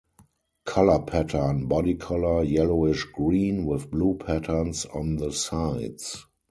Color Pattern: Body color yellowish green with blue patterns on the sides.